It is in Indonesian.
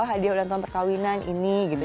hadiah ulang tahun perkawinan ini gitu